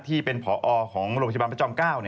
ที่เป็นผอของโรงพยาบาลพระจอม๙